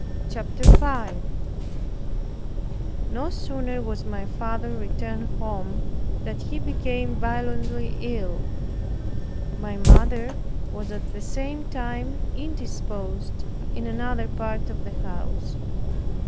CHAPTER 5 No sooner was my father returned home, than he became violently ill. My mother was at the same time indisposed in another part of the house.